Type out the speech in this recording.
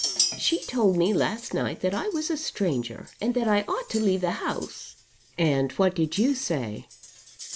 "She told me last night that I was a stranger, and that I ought to leave the house." "And what did you say?"